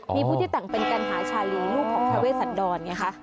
มีผู้ที่แต่งเป็นกัณหาชาลีลูกของทาเวสันดรไงคะ